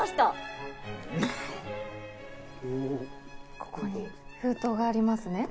ここに封筒がありますね。